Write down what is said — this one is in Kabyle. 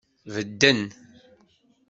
Bedden.